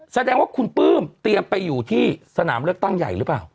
แสดงว่าคุณปลื้มเตรียมไปอยู่ที่สนามเลือกตั้งใหญ่หรือเปล่า